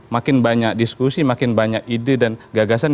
makin banyak diskusi makin banyak ide dan gagasan